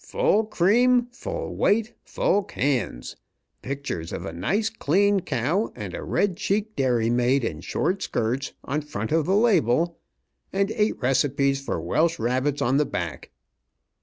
Full cream, full weight, full cans; picture of a nice clean cow and red cheeked dairymaid in short skirts on front of the label, and eight recipes for Welsh rabbits on the back."